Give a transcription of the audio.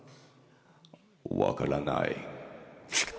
「分からない」。